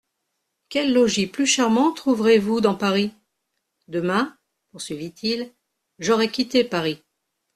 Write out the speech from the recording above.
Quel logis plus charmant trouverez-vous dans Paris ? Demain, poursuivit-il, j'aurai quitté Paris.